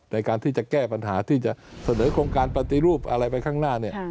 ในการที่จะแก้ปัญหาที่จะเสนอโครงการปฏิรูปอะไรไปข้างหน้าเนี่ย